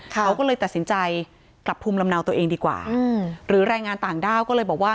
เขาก็เลยตัดสินใจกลับภูมิลำเนาตัวเองดีกว่าหรือแรงงานต่างด้าวก็เลยบอกว่า